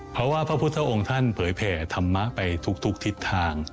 เพราะว่าพระพุทธองค์ท่านเผยแผ่ธรรมะไปทุกทิศทาง